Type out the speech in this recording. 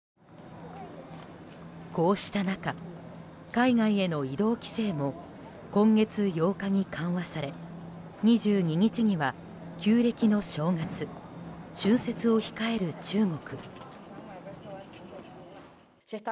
こうした中、海外への移動規制も今月８日に緩和され２２日には旧暦の正月春節を控える中国。